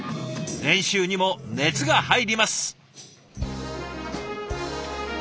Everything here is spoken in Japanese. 練習にも熱が入ります。